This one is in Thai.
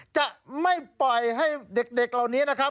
จะไม่ปล่อยให้เด็กเหล่านี้นะครับ